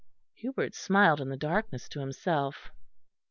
Hubert smiled in the darkness to himself.